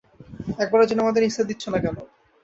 একবারের জন্য আমাদের নিস্তার দিচ্ছ না কেন?